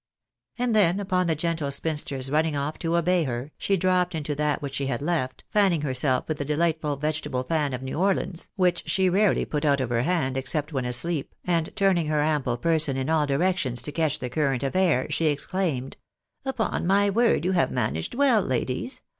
And then, upon the gentle si^inster's running off to obey her, she dropped into that which she had left, fanning herself with the delightful vegetable fan of New Orleans, which she rarely put out of her hand, except when asleep, and turning her ample person in all directions to catch the current of air, she exclaimed —•" Upon my word you have managed well, ladies